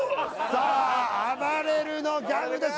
さああばれるのギャグです